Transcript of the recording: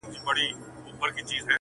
هغې ته هر څه بند ښکاري او فکر ګډوډ وي,